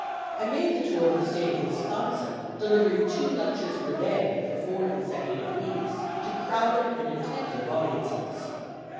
I made the tour of the State of Wisconsin, delivering two lectures per day for four consecutive weeks, to crowded and attentive audiences.